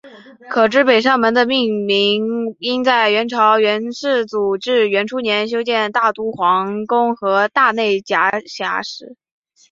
可知北上门的命名应在元朝元世祖至元初年修建大都皇宫和大内夹垣时。